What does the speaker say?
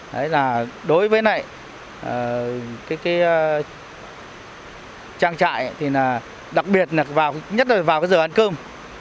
đấy là đối với này cái trang trại thì là đặc biệt nhất là vào cái giờ ăn cơm